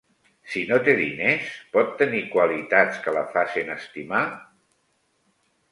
Si no té diners, pot tenir qualitats que la facen estimar?